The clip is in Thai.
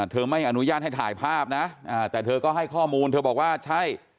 ไม่อนุญาตให้ถ่ายภาพนะแต่เธอก็ให้ข้อมูลเธอบอกว่าใช่